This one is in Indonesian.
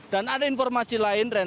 dan ada informasi yang diberikan oleh ktp